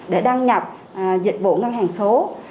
để đăng nhập dịch vụ ngân hàng số